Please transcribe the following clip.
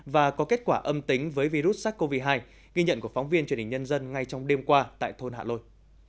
và có kết quả âm tính với virus sars cov hai ghi nhận của phóng viên truyền hình nhân dân ngay trong đêm qua tại thôn hạ lôi